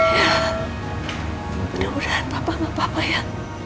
ya mudah mudahan papa gak apa apa ya